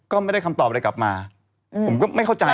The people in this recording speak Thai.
ก็ไม่ได้คำตอบอะไรกลับมาผมก็ไม่เข้าใจ